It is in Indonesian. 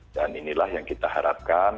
dan inilah yang kita harapkan